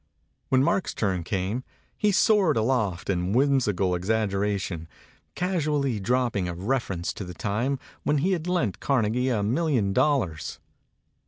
When Mark's turn came, he soared aloft in whimsical exaggeration, casually drop ping a reference to the time when he had lent Carnegie a million dollars.